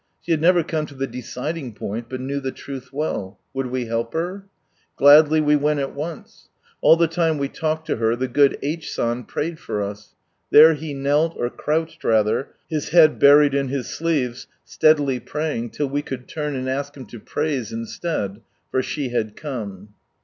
She had never come to the deciding point, but knew the truth well ; would we help her? Gladly we went at once. All the time we talked to her the good H. San prayed for us. There he knelt, or crouched rather, his head buried in his sleeves, steadily praying, till we could turn and ask him to praise instead, for she had come.